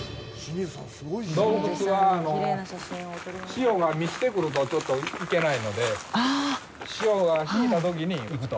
洞窟は潮が満ちてくるとちょっと行けないので潮が引いたときに行くと。